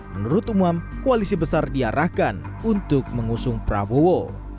menurut umam koalisi besar diarahkan untuk mengusung prabowo